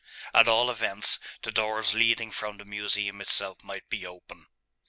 At all events, the doors leading from the Museum itself might be open.